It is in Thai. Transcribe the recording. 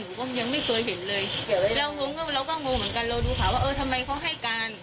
ก็ยังไม่เคยเห็นเลยเรางงเราก็เราก็งงเหมือนกันเราดูข่าวว่าเออทำไมเขาให้การ